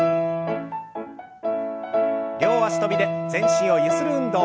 両脚跳びで全身をゆする運動。